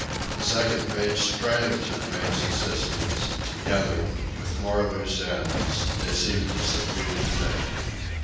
The second mate sprang to the mate's assistance, and, together, with more loose ends, they seemed to subdue the thing.